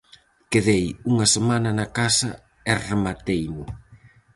Quedei unha semana na casa e remateino.